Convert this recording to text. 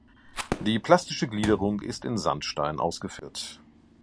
Die plastische Gliederung ist in Sandstein ausgeführt.